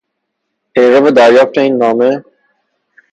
پیرو دریافت این نامه...